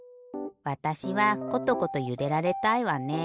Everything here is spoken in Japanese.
わたしはコトコトゆでられたいわね。